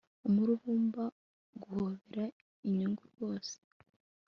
Umururumba guhobera inyungu rwose